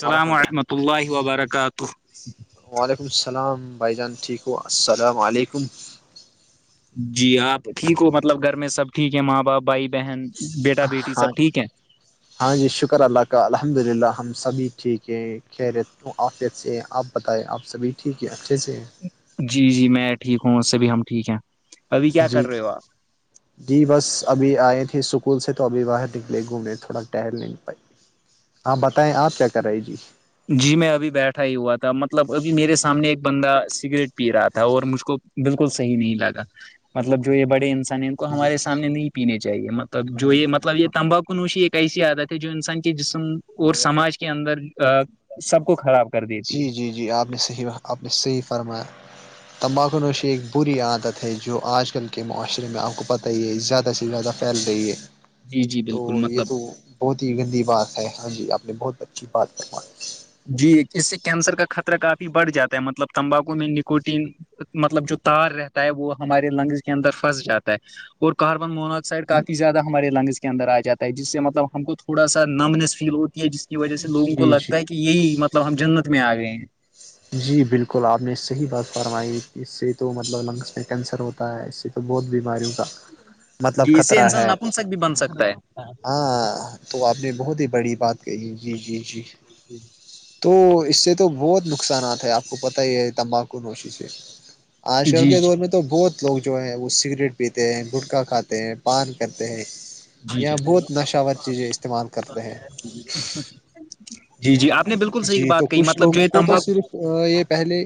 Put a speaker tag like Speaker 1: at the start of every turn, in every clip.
Speaker 1: السلام ورحمۃ اللہ وبرکاتہ
Speaker 2: اللہ وعلیکم السلام بھائی جان ٹھیک ہو السلام علیکم
Speaker 1: جی آپ ٹھیک ہو مطلب گھر میں سب ٹھیک ہے ماں باپ بھائی بہن بیٹا بیٹی
Speaker 2: ہاں
Speaker 1: سب ٹھیک ہے
Speaker 2: ہاں جی شکر اللہ کا الحمد للہ ہم سبھی ٹھیک ہیں خیرت تو آفی اچ سےے ہیں آپ بتائیں آپ سبھی ٹھیک ہے اچھے سے ہیں
Speaker 1: جی جی میں ٹھیک ہوں اس سے بھی ہم ٹھیک ہیں ابھی کیا
Speaker 2: جی
Speaker 1: کر رہے ہو آپ
Speaker 2: جی بس ابھی آئے تھے اسکول سے تو ابھی باہر نکلے گھومنے تھوڑا ٹہل نہیں پائی ہاں بتائیں آپ کیا کر رہے جی
Speaker 1: جی میں ابھی بیٹھا ہی ہوا تھا مطلب ابھی میرے سامنے ایک بندہ سگریٹ پی رہا تھا اور مجھ کو بالکل صحیح نہیں لگا مطلب جو یہ بڑے انسان ہیں ان کو ہمارے سامنے نہیں پینے چاہیے مطلب جو یہ مطلب یہ تمباکو نوشی ایک ایسی عادت ہے جو انسان کے جسم اور سماج کے اندر سب کو خراب کر
Speaker 2: جی
Speaker 1: دیتی ہے
Speaker 2: جی جی آپ نے صحیح آپ نے صحیح فرمایا تمباکو نوشی ایک بری عادت ہے جو آج کل کے معاشرے میں آپ کو پتہ ہی ہے زیادہ سے زیادہ پل رہیے
Speaker 1: جی جی
Speaker 2: تو
Speaker 1: بالکل مطلب
Speaker 2: یہ تو بہت ہی گندی بات ہے ہاں جی آپ نے بہت اچھی بات کروائی
Speaker 1: جی اس سے کینسر کا خطرہ کافی بڑھ جاتا ہے مطلب تمباکو میں نکوٹین مطلب جو تار رہتا ہے وہ ہمارے لنگز کے اندر پھنس جاتا ہے اور کاربن مناک سائڈ کافی زیادہ ہمارے لنگس کے اندر آ جاتا ہے جس سے مطلب ہم کو تھوڑا سا نمنس فیل ہو جس کی وجہ سے لوگوں کو
Speaker 2: جی جی
Speaker 1: لگتا ہے کہ یہی مطلب ہم جنت میں آ گئے ہیں
Speaker 2: جی بالکل آپ نے صحیح بات فرمائی اس سے تو مطلب لنگس میں کینسر ہوتا ہے اس سے تو بہت بیماریوں کا مطلب
Speaker 1: جی اس سے
Speaker 2: خطرہ
Speaker 1: انسان
Speaker 2: ہے
Speaker 1: نپنسک بھی بن سکتا ہے
Speaker 2: ہاں تو آپ نے بہت ہی بڑی بات کہی جی جی جی
Speaker 1: جی
Speaker 2: تو اس سے تو بہت نقصانات ہے آپ کو پتہ ہی ہے تمباکو نوشی سے آشور
Speaker 1: جی
Speaker 2: کے دور
Speaker 1: جی
Speaker 2: میں تو تو بہت لوگ جو ہیں وہ سگریٹ پیتے ہیں گٹکا کھاتے ہیں پان کرتے ہیں
Speaker 1: جی
Speaker 2: یا بہت نشاور چیزیں استعمال کرتے ہیں
Speaker 1: جی جی آپ نے بالکل صحیح
Speaker 2: جی تو
Speaker 1: بات کہی
Speaker 2: کچھ
Speaker 1: مطلب جو
Speaker 2: لوگوں
Speaker 1: یہ
Speaker 2: کو تو
Speaker 1: تمباک
Speaker 2: صرف یہ پہلے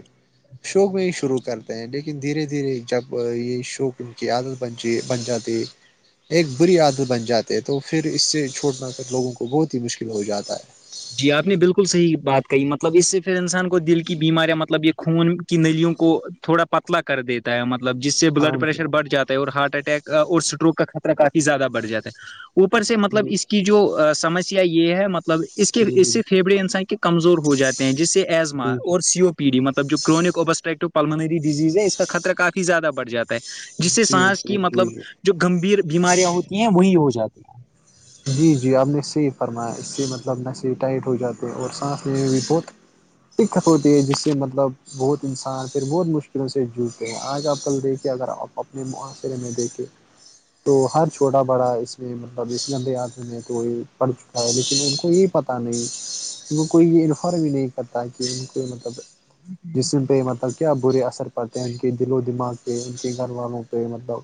Speaker 2: شوق میں ہی شروع کرتے ہیں لیکن دھیرے دھیرے جب یہ شوق ان کی عادت بنچے بن جاتات ایک بری عادت بن جاتے تو پھر اس سے چھوڑنا پ لوگوں کو بہت ہی مشکل ہو جاتا ہے
Speaker 1: جی آپ نے بالکل صحیح بات کہی مطلب اس سے پھر انسان کو دل کی بیماریاں مطلب یہ خون کی نلوں کو تھوڑا پتلا کر دیتا ہے مطلب جس سے
Speaker 2: ہاں
Speaker 1: بلڈ
Speaker 2: جی
Speaker 1: پریشر بھ جاتا اور ہارٹ اٹیک اور اسٹروک کا خطرہ کافی زیادہ بڑ جاتا ہے اوپر سے مطلب
Speaker 2: جی
Speaker 1: اس کی جو سمسیا یہ ہے مطلب اس کے
Speaker 2: جی
Speaker 1: اس سے پھیفڑے انسان کے کمزور ہو جاتے ہیں جس سے ایزما
Speaker 2: بالکل
Speaker 1: اور سیو ڈیطلب جو کرونک ابسٹرٹو پللمنری ڈز ہے اس کا خطر کافی زیادہ بڑ جاتا جس سے
Speaker 2: جی جی جی
Speaker 1: سانس
Speaker 2: جی
Speaker 1: کی مطلب
Speaker 2: جی جی
Speaker 1: جو گمبھیر بیماریاں ہوتی ہیں وہی ہو جاتی ہیں
Speaker 2: جی جی آپ نے اس سےی فرمایا اس سے مطلب نہس ہی ٹائٹ ہو جاتے اور سانس لی بھی بہت ٹککھٹ ہوتی ہے جس سے مطلب بہت انسان پھر بہت مشکلوں سے جوڑتے ہیں آج آپ کل دیکھیں اگر آپ اپنے معاشرے میں دیکھیں تو ہر چھوٹا بڑا اس میں مطلب اس گندے آدمی ہیں کو یہ پڑھ چکا ہے لیکن ان کو یہ پت نہیں وہ کوئی یہ انفارم بھی نہیں کرتا کہ ان کو مطلب جسم پہ مطلب کیا برے اثر پڑتے ہیں ان کے دل و دماغ ان کے گھر والوں پہ مطلب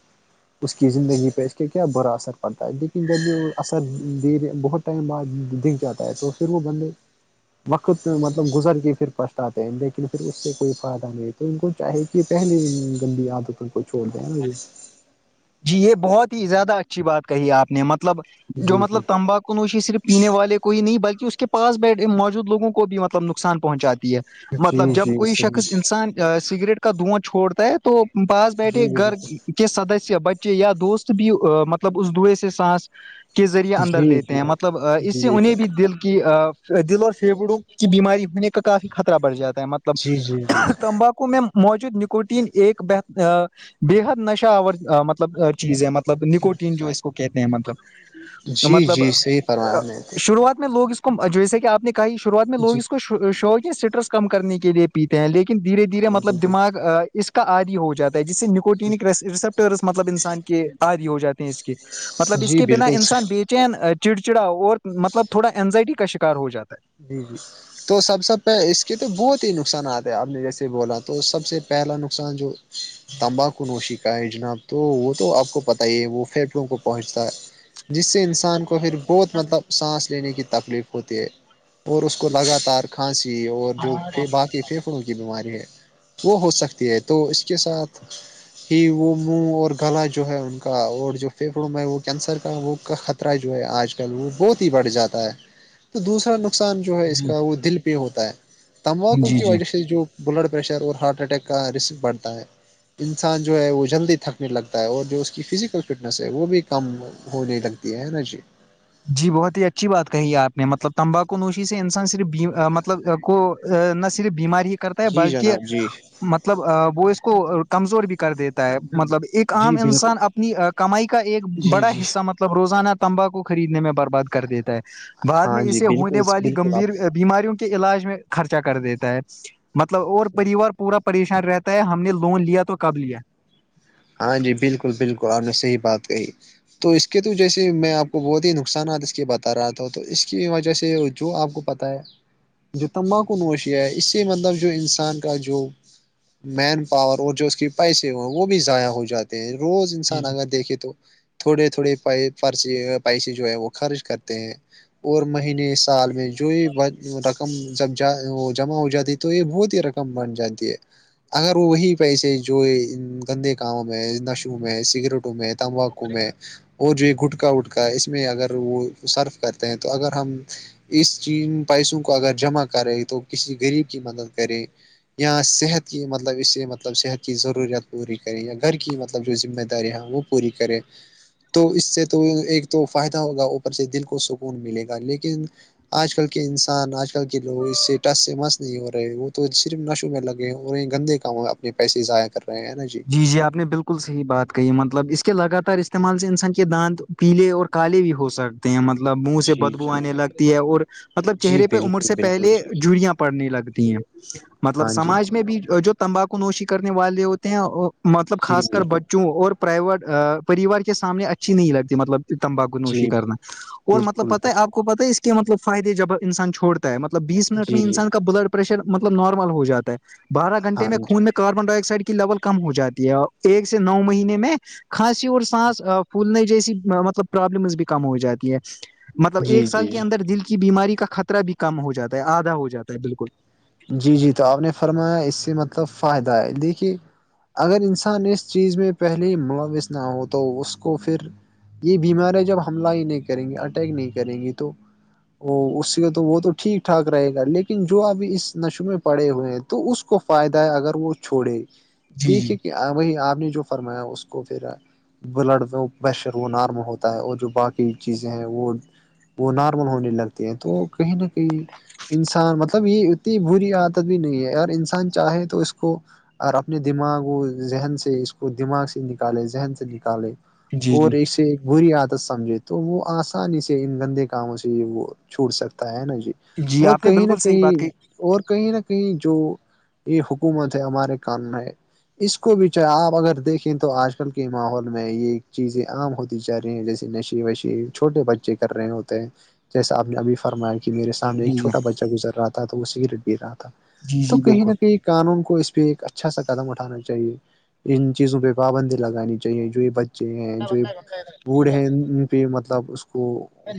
Speaker 2: اس کی زندگی پہ اس کے کیا برا اثر پڑتا ہے لیکن جب یہ اثر دےے بہت ٹائم بعد دکھ جاتا ہے تو پھر وہ بندے وخت مطلب گزر کے پھر پچتاتے ہیں لیکن پھر اس سے کوئی فائدہ نہیں تو ان کو چاہے کہ پہلے گندی عادت ان کو چھوڑ دیںا ب [unintelligible]
Speaker 1: جی یہ بہت ہی زیادہ اچھی بات کہی آپ نے مطلب جو
Speaker 2: جی
Speaker 1: مطلب
Speaker 2: جی
Speaker 1: تمباکو نوشی صرف پینے والے کوئی نہیں بلکہ اس کے پاس بی موجود لوگوں کو بھی مطلب نقصان پہنچاتی ہے مطلب
Speaker 2: جی
Speaker 1: جب
Speaker 2: جی
Speaker 1: کوئی شخص
Speaker 2: صحیح
Speaker 1: انسان سگریٹ کا دھواں چھوڑتا ہے تو پاس
Speaker 2: جی
Speaker 1: بیٹھے گھر
Speaker 2: بالکل
Speaker 1: کس سدسیہ بچے یا دوست بھی مطلب اس دئے سے سانس کے ذریعے
Speaker 2: جی
Speaker 1: اندر لیتے
Speaker 2: جی
Speaker 1: ہیں مطلب
Speaker 2: جی
Speaker 1: اس سے
Speaker 2: بے
Speaker 1: انہیں
Speaker 2: شک
Speaker 1: بھی دل کی دل اور سیبڑوں کی بیماری ہونے کا کافی خطرہ بڑھ جاتا ہے
Speaker 2: جی جی
Speaker 1: مطلب تمباکو م موجود نکوٹین ایک بہت بے حد نشہ آور مطلب چیز [unintelligible] مطلب نکوٹین جو اس کو کہتے ہیں
Speaker 2: جی
Speaker 1: مطلب
Speaker 2: جی
Speaker 1: مطلب
Speaker 2: جی صحیح فرمایا آپ نے تو
Speaker 1: شروعات میں لوگ اس جیسے کہ آپ نے کہا شروعات میں لوگ
Speaker 2: جی
Speaker 1: اس کو شوق ہے اسٹریس کم کرنے کے لیے پیتے ہیں لیکن دھیرے دھیرے
Speaker 2: ہاں جی
Speaker 1: مطلب
Speaker 2: بالکل
Speaker 1: دماغ اس کا آدی ہو جا ہے جس سے نکوٹینک ریسپٹ مطلب انسان کے عادی ہو جاتے ہیں اس کے مطلب اس
Speaker 2: جی
Speaker 1: کے بنا
Speaker 2: بالکل
Speaker 1: انسان
Speaker 2: صحیح
Speaker 1: بیٹی چین چڑچڑاؤ اور مطلب تھوڑا انینزائٹی کا شکار ہو جاتا ہے
Speaker 2: جی جی [unintelligible] تو سب سے پہ اس کے تو بہت ہی نقصانات ہیں آپ نے جیسے بولا تو سب سے پہلا نقصان جو تمباکو نوشی کا ہے جناب تو وہ تو آپ کو پتہ ہی ہے وہ فھیفوں کو پہنچتا ہے جس سے انسان کو پھر بہت مطلب سانس لینے کی تکلیف ہوتی ہے اور اس کو لگاتار کھانسی اور جو پ باقی پ [unintelligible] ککڑوں کی بیماری ہے وہ ہو سکتی ہے تو اس کے ساتھ ہی وہ منہ اور گلا جو ہے ان کا اور جو پھیپھڑوں میں ہے وہ کینسر کا وہ کا خ [unintelligible] جو ہے آج کل وہ بہت ہی بڑھ جاتا ہے تو دوسرا نقصان جو ہے اس کا وہ دل پہ ہوتا ہے
Speaker 1: جی
Speaker 2: تمباکو
Speaker 1: جی
Speaker 2: کی
Speaker 1: جی
Speaker 2: وجہ سے جو بلڈ پریشر اور ہارٹ اٹیک کا رسک بڑھتا ہے انسان جو ہے وہ جلدی تھکنے لگتا ہے اور جو اس کی فزیکل فٹنس ہے وہ بھی کم ہونے لگتی ہے نا جی
Speaker 1: جی بہت ہی اچھی بات کہی ہے آپ نے مطلب تمباکو نوشی سے انسان صرف مطلب کو نہ صرف بیمار ہی کرتا ہے
Speaker 2: جی
Speaker 1: بلکہ
Speaker 2: جناب جی
Speaker 1: مطلب وہ اس کو کمزور بھی کر دیتا ہے مطلب ایک
Speaker 2: جی
Speaker 1: عام
Speaker 2: بالکل
Speaker 1: انسان اپنی کمائی کا ایک
Speaker 2: جی
Speaker 1: بڑا
Speaker 2: جی
Speaker 1: حصہ مطلب روزانہ تمباکو خریدنے میں برباد کر دیتا ہے بعد میں
Speaker 2: ہاں جی
Speaker 1: اسے ہونے
Speaker 2: بالکل
Speaker 1: والی
Speaker 2: بالکل
Speaker 1: گمبھیر
Speaker 2: آپ
Speaker 1: بیماریوں کے علاج میں خرچہ کر دیتا ہے مطلب اور پریوار پورا پریشان رہتا ہے ہم نے لون لیا تو کب لیا
Speaker 2: ہاں جی بالکل بالکل آپ نے صحیح بات کہی تو اس کے تو جیسے میں آپ کو بہت ہی نقصانات اس کے بتا رہا تھا تو اس کی وجہ سے جو آپ کو پتہ ہے جو تمباکو نوشیا ہے اس سے مطلب جو انسان کا جو مین پاور اور جو اس کے پیسے ہو ہیں وہ بھی ضائع ہو جاتے ہیں روز انسان اگر دیکھے تو تھوڑے تھوڑے پ پیسے جو ہے وہ خرچ کرتے ہیں اور مہینے سال میں [unintelligible] جو یہ رقم جب جمع ہو جاتی ہے تو یہ بہت ہی رقم بن جاتی ہے اگر وہ وہی پیسے جو گندے کامں میں نشو میں سگریٹوں میں تمباکو میں اور جو یہ گھٹکا وٹکا اس میں اگر وہ سرف کرتے ہیں تو اگر ہم اس چ پیسوں کو اگر جمع کرے تو کسی غریب کی مدد کرے یا صحت کی مطلب اسے مطلب صحت کی ضرورت پوری کریں یا گھر کی مطلب جو ذمہ دارییاں وہ پوری کریں تو اس سے تو ایک تو فائدہ ہوگا اوپر سے دل کو سکون ملے گا لیکن آج کل کے انسان آج کل کے لوگ اس سے ٹس سے مس نہیں ہو رہے وہ تو صرف نشوں میں لگ رہ یں گندے کاموں اپنے پیسے ضائع کر رہے ہیں نا جی
Speaker 1: ج جی آپ نے بالکل صحیح بات کہی مطلب اس کے لگاتار استعمال سے انسان کے دانت پیلے اور کالے بھی ہو سکتے ہیں مطلب منہ سے
Speaker 2: جی
Speaker 1: بدبو آنے
Speaker 2: جی
Speaker 1: لگتی ہے اور مطلب
Speaker 2: جی
Speaker 1: چہرے پہ عمر
Speaker 2: بالکل
Speaker 1: سے
Speaker 2: بالکل
Speaker 1: پہلے
Speaker 2: جی
Speaker 1: جڑیاں پڑنے لگتی ہیں مطلب
Speaker 2: ہاں جی
Speaker 1: سماج میں بھی جو تمباکو نوشی کرنے والے ہوتے ہیں مطلب
Speaker 2: جی
Speaker 1: خاص کر
Speaker 2: بالکل
Speaker 1: بچوں اور پرائیویٹ پریوار کے سامنے اچھی نہیں لگتی مطلب تمباکو نوشی
Speaker 2: جی
Speaker 1: کرنا اور مطلب
Speaker 2: بالکل
Speaker 1: پتاہ ہے آپ
Speaker 2: بالکل
Speaker 1: کو پتہ ہے اس کے مطلب فائدے جب انسان چھوڑ مطلب بیس منٹ میں
Speaker 2: جی جی
Speaker 1: انسان کا بلڈ پرریشر مطلب نارمل ہو جاتا ہے بارہ گھنٹے
Speaker 2: ہاں
Speaker 1: میں
Speaker 2: جی
Speaker 1: خون میں کاربن ڈائی آکسائڈ کی لیول کم ہو جاتی ہے اور ایک سے نو مہینے میں کھانسی اور سانس پھولنے جیسی مطلب پرابلمس بھی کم ہو جاتی ہے مطلب
Speaker 2: جی
Speaker 1: ایک سال
Speaker 2: جی
Speaker 1: کے اندر دل کی بیماری کا خطرہ بھی کم ہو جاتا ہے آدھا ہو جاتا ہے بالکل
Speaker 2: جی جی تو آپ نے فرمایا اس سے مطلب فائدہ ہے دیکھیے اگر انسان اس چیز میں پہلے ہی ملوث نہ ہو تو اس کو پھر یہ بیماریاں جب حملہ ہی نہیں کریں گی اٹیک نہیں کریں گی تو وہ اس سے تو وہ تو ٹھیک ٹھاک رہے گا لیکن جو ابھی اس نشو میں پڑے ہوئے ہیں تو اس کو فائدہ ہے اگر وہ چھوڑے دیکھیے کہ وہی آپ نے جو فرمایا اس کو پھر بلڈ پریشر وہ نارمل ہوتا ہے اور جو باقی چیزیں ہیں وہ وہ نارمل ہونے لگتے ہیں تو کہیں نہ کہیں انسان مطلب یہ اتنی بری عادت بھی نہیں ہے اگر انسان چاہے تو اس کو اور اپنے دماغ و ذہن سے اس کو دماغ سے نکالے ذہن سے نکالے
Speaker 1: جی جی
Speaker 2: اور ایسے بری عادت سمجھے تو وہ آسانی سے ان گندے کاموں سے یہ وہ چھوڑ سکتا ہے نا جی اور
Speaker 1: آپ نے
Speaker 2: کہیں نہ
Speaker 1: بالکل صحیح بات
Speaker 2: کہیں
Speaker 1: کہی
Speaker 2: اور کہیں نہ کہیں جو یہ حکومت ہے ہمارے قانن ہے اس کو بھی چاہے آپ اگر دیکھیں تو آج کل کے ماحول میں یہ چیزیں عام ہوتی جا رہی ہیں جیسے نشے وشی چھوٹے بچے کر رہے ہوتے ہیں جیسا آپ نے ابھی فرمایا کہ میرے س
Speaker 1: جی
Speaker 2: ایک
Speaker 1: جی
Speaker 2: چھوٹا بچہ گزر رہا تھا تو وہ سگریٹ گر رہا تھا
Speaker 1: جی
Speaker 2: تو
Speaker 1: جی
Speaker 2: کہیں
Speaker 1: بالکل
Speaker 2: نہ کہیں قانون کو اس پہ ایک اچھا سا قدم اٹھانا چاہیے ان چیزوں پہ پابندی لگانی چاہیے جو یہ ب بچے ہیں جو بوھ ہیں ان پہ مطلب اس کو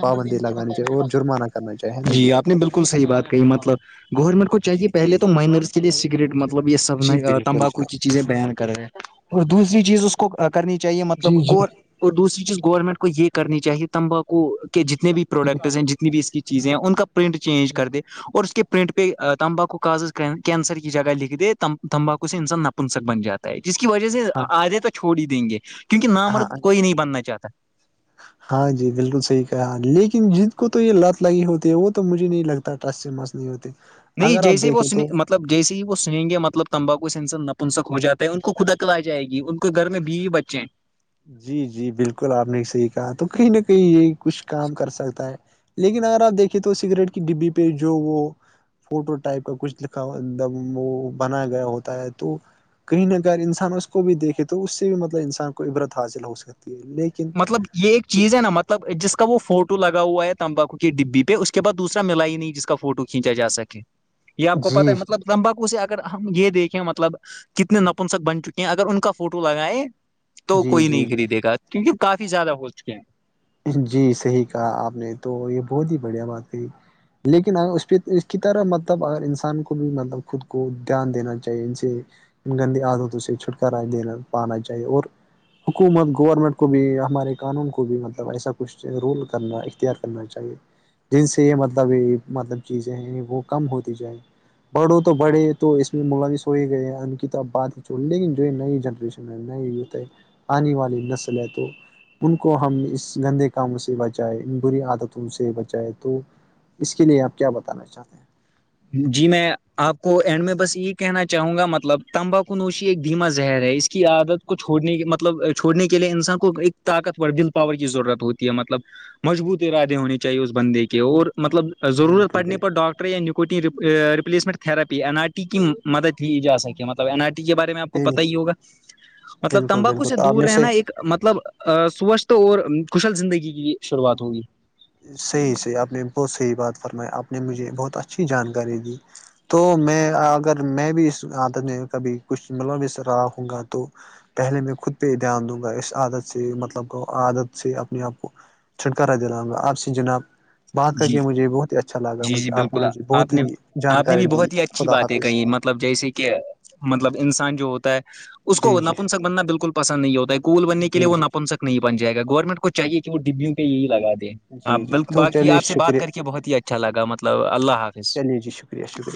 Speaker 2: پابندی لگانی چاہیے اور جرمانہ کرنا چاہیے ہے نا جی
Speaker 1: بالک صحیحات کہی مطلب گورنمنٹ کو
Speaker 2: جی
Speaker 1: چاہیے
Speaker 2: جی
Speaker 1: پہلے تو
Speaker 2: جی
Speaker 1: مائنرس کے لیے سگریٹ مطلب یہ سب
Speaker 2: جی بالکل
Speaker 1: تمباکو
Speaker 2: جناب
Speaker 1: کی چیزیں بیان کر رہے ہیں اور دوسری چیز اس کو کرنی چاہیے مطلب
Speaker 2: جی جی
Speaker 1: گور اور دوسری چیز گورنمنٹ کو یہ کرنی چاہیے تمباکو کے جتنے بھی پروڈکٹس ہیں جتنی بھی اس کی چیزیں ہیں ان کا پرنٹ چینج کر دے اور اس کے پرنٹ پہ تمباکو کاز کینسر کی جگہ لکھ دے تم تمباکو سے انسان نپنسک بن جات جس کی وجہ سے
Speaker 2: ہاں
Speaker 1: آدے تو چھوڑ ہی دیں گے کیونکہ
Speaker 2: ہاں
Speaker 1: نامرد کوئی نہیں بننا چاہتا
Speaker 2: ہاں جی بالکل صحیح کہا لیکن جن کو تو یہ لت لگی ہوتی ہے وہ تو مجھے نہیں لگتا ٹرس سے مس نہیں ہوتے
Speaker 1: نہیں
Speaker 2: اگر آپ
Speaker 1: جیسے ب
Speaker 2: دیکھیں تو
Speaker 1: مطلب جیسے وہ سویںے مطلب تمباکو سے انس نپنسک ہو جا ہے ان کو خوداکل آ جائے گی ان کے گھر میں بی بچے ہیں
Speaker 2: جی جی بالکل آپ نے صحیح کہا تو کہیں نہ کہیں یہ کچھ کام کر سکتا ہے لیکن اگر آپ دیکھے تو سگریٹ کی ڈبی پہ جو وہ فوٹو ٹائپ کا کچھ لکھا ہو وہ بنایا گیا ہوتا ہے تو کہیں نہ اگر انسان اس کو بھی دیکھے تو اس سے بھی مطلب انسان کو عبرت حاصل ہو سکتی ہے لیکن
Speaker 1: مطلب یہ ایک چیز ہے نا مطلب جس کا وہ فوٹو لگا ہوا ہے تمباکو کے ڈبی پہ اس کے بعس دوسرا ملا ہی نہیں جس کا فوٹو کھینچا جا سکے یہ آپ کو پتتا
Speaker 2: جی
Speaker 1: ہے مطلب لمباکو سے اگر ہم یہ دیکھیں مطلب کتنے نپنسک بن چکے اگر ان کا فوٹو لگائے تو
Speaker 2: جی
Speaker 1: کوئی
Speaker 2: جی
Speaker 1: نہیں
Speaker 2: جی
Speaker 1: خریدے گا کیونکہ کافی زیادہ ہو چکے ہیں
Speaker 2: جی صحیح کہا آپ نے تو یہ بہت ہی بڑھیا بات تھی لیکن ا اس پہ اس کی طرح مطلب اگر انسان کو بھی مطلب خود کو دھیان دینا چاہیے ان سے ان گندی عادتوں سے چھٹکارا دین پانا چاہیے اور حکومت گورنمنٹ کو بھی ہمارے قانون کو بھی مطلب ملب ایسا کچھ رول کرنا اختیار کرنا چاہیے جن سے یہ مطلب یہ مطلب چیزیں ہیں وہ کم ہوتی جائیں بڑو تو بڑے تو اس میں ملوث ہو ہی گئے ہیں ان کی تو اب بات ہی چو لیکن جو یہ نئی جنریشن میں نئے یتے ہے آنے والی نسل ہے تو ان کو ہم اس گندے کاموں سے بچائے بری عادتوں سے بچائے تو اس کے لیے آپ کیا بتانا چاہتے ہیں
Speaker 1: جی میں آپ کو اینڈ میں بس یہی کہنا چاہوں گا مطلب تمباکو نوشی ایک دھیما زہر ہے اس کی عادت کو
Speaker 2: جی
Speaker 1: چھوڑنے مطلب چھوڑنے کے لیے انسان کو ایک طاقتور ول پاور کی ضرورت ہوتی ہے مطلب مضبوط ارادے ہونے چاہیے اس بندے کے اور مطلب ضرورت
Speaker 2: بالکل
Speaker 1: پڑنے پر ڈاکٹر یا replacement therapy N R T کی مدد ہی جا سکے م این آر ٹی کے بارے میں آپ کو
Speaker 2: بالکل
Speaker 1: پتا ہی ہوا مطلب
Speaker 2: بالکل
Speaker 1: تمباکو
Speaker 2: بالکل
Speaker 1: سے
Speaker 2: تو آپ
Speaker 1: دور
Speaker 2: نے صحیح
Speaker 1: رہنا ایک مطلب سوچھ اور کشل زندگی کی شروعات ہوگی
Speaker 2: صحیحی آپ نے بہت صحیح بات فرمائی آپ نے مجھے بہت اچھی جانکاری دی تو میں اگر میں بھی اس عادت میں کبھی کچھ ملو وس رہا ہوں گا تو پہلے میں خود پہ ہی دھیان دوں گا اس عادت سے مطلب عادت سے اپنے آپ کو چھٹکارا دینا ہما آپ سے جناب بات کر
Speaker 1: جی
Speaker 2: کے مجھے بہت ہی اچھا لگا
Speaker 1: جی جی
Speaker 2: مجھے آپ نے
Speaker 1: بالکل
Speaker 2: مجھے
Speaker 1: آپ
Speaker 2: بہت
Speaker 1: نے
Speaker 2: ہی
Speaker 1: آپ نے
Speaker 2: جانکاری
Speaker 1: بھی
Speaker 2: دی
Speaker 1: بہت ہی اچھی
Speaker 2: خدا
Speaker 1: باتیں
Speaker 2: حافظ
Speaker 1: کہی مطلب جیسے کہ مطلب انسان جو ہوتا ہے اس
Speaker 2: جی
Speaker 1: کو
Speaker 2: جی
Speaker 1: نپنسک بننا بالکل پسند نہیں ہوتا ہے کوول بننے کے لیے
Speaker 2: جی
Speaker 1: وہ
Speaker 2: جی
Speaker 1: نپنسک نہیں بن جائے گورنمنٹ کو چاہیے کہ وہ ڈبیو پہ یہی لگا دے
Speaker 2: جی جی تو
Speaker 1: جی
Speaker 2: چلیے
Speaker 1: آپ سے بات
Speaker 2: شکریہ
Speaker 1: کر کے بہت ہی اچھا لگا مطلب اللہ حافظ
Speaker 2: چلیے جی شکریہ شکریہ